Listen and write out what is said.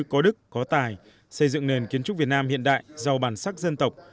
có đức có tài xây dựng nền kiến trúc việt nam hiện đại giàu bản sắc dân tộc